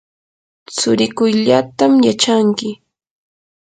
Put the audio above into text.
tsurikuyllatam yachanki.